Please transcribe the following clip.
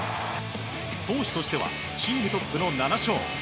投手としてはチームトップの７勝。